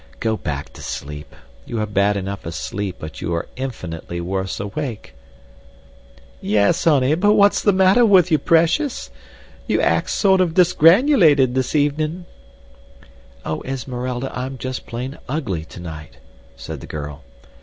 Go back to sleep. You are bad enough asleep, but you are infinitely worse awake." "Yes honey, but what's the matter with you, precious? You acts sort of disgranulated this evening." "Oh, Esmeralda, I'm just plain ugly to night," said the girl.